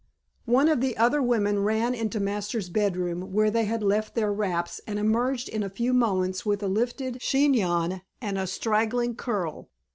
One of the other women ran into Masters' bedroom where they had left their wraps and emerged in a few moments with a lifted chignon and a straggling curl.